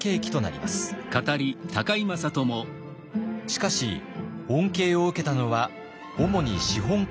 しかし恩恵を受けたのは主に資本家でした。